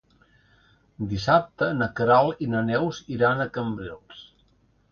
Dissabte na Queralt i na Neus iran a Cambrils.